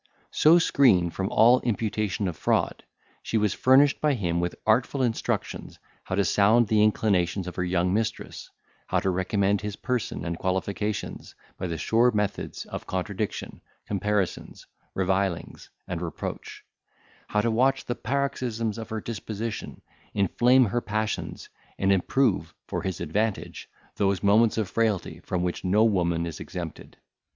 So screened from all imputation of fraud, she was furnished by him with artful instructions how to sound the inclinations of her young mistress, how to recommend his person and qualifications by the sure methods of contradiction, comparisons, revilings, and reproach; how to watch the paroxysms of her disposition, inflame her passions, and improve, for his advantage, those moments of frailty from which no woman is exempted.